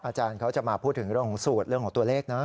อาจารย์เขาจะมาพูดถึงเรื่องของสูตรเรื่องของตัวเลขนะ